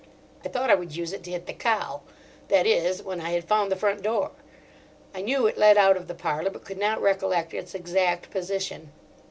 I thought I would use it to hit the cow—that is, when I had found the front door. I knew it led out of the parlour, but could not recollect its exact position.